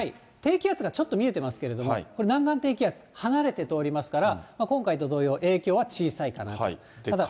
低気圧がちょっと見えてますけれども、南岸低気圧、離れて通りますから、今回と同様、影響は小さいかなと。